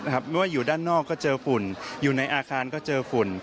ไม่ว่าอยู่ด้านนอกก็เจอฝุ่นอยู่ในอาคารก็เจอฝุ่น